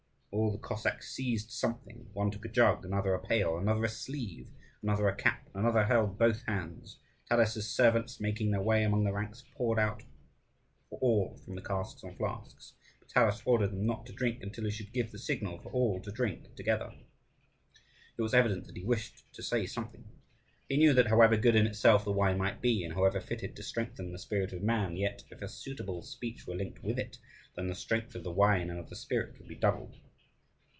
All the Cossacks seized something: one took a jug, another a pail, another a sleeve, another a cap, and another held both hands. Taras's servants, making their way among the ranks, poured out for all from the casks and flasks. But Taras ordered them not to drink until he should give the signal for all to drink together. It was evident that he wished to say something. He knew that however good in itself the wine might be and however fitted to strengthen the spirit of man, yet, if a suitable speech were linked with it, then the strength of the wine and of the spirit would be doubled.